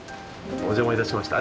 お邪魔いたしました。